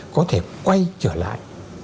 có thể quay trở lại